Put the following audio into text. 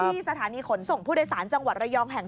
สถานีขนส่งผู้โดยสารจังหวัดระยองแห่ง๑